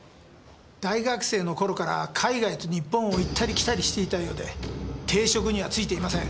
大学生の頃から海外と日本を行ったり来たりしていたようで定職には就いていません。